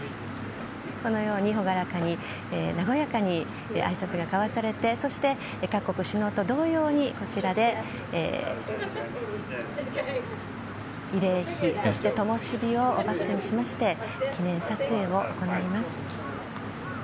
このように朗らかに和やかにあいさつが交わされて各国首脳と同様にこちらで慰霊碑、そして灯火をバックにして記念撮影を行います。